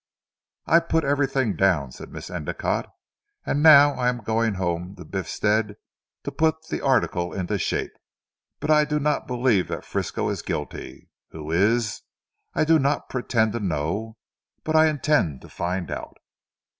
"I've put everything down," said Miss Endicotte, "and now I am going home to Biffstead to put the article into shape. But I do not believe that Frisco is guilty. Who is, I do not pretend to know; but I intend to find out."